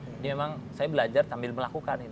jadi memang saya belajar sambil melakukan